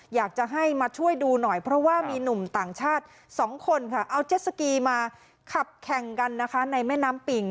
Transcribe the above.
อยากจะให้มาช่วยดูหน่อยเพราะว่ามีหนุ่มต่างชาติ๒คนเอาเจ็ดสกีมาขับแข่งกัน